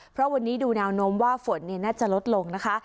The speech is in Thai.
เพราะวันนี้ดูแนวโน้มว่าฝนน่าจะลดลงนะคะ